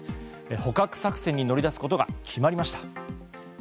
捕獲作戦に乗り出すことが決まりました。